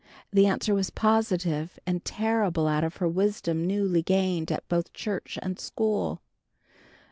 The answer was positive and terrible out of her wisdom newly gained at both church and school.